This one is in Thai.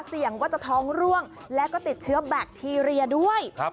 เสี่ยงว่าจะท้องร่วงและก็ติดเชื้อแบคทีเรียด้วย